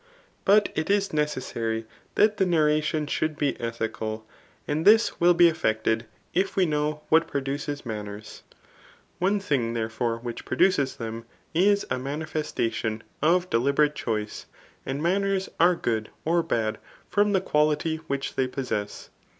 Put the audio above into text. But it is necessary that the narration should be ethical ; and this will be effected, if we know what produces manners* One thing, there fore, which produces them is, a manifestation of delibe rate choice; and manners are good or bad from the quality v^ich they possess.